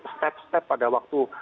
step step pada waktu